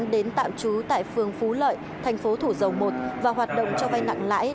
đến tạm trú tại phường phú lợi thành phố thủ dầu một và hoạt động cho vay nặng lãi